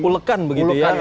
ulekan begitu ya